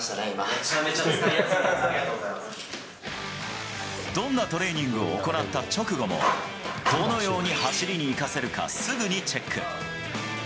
めちゃめちゃ使いやすいです、どんなトレーニングを行った直後も、どのように走りに生かせるか、すぐにチェック。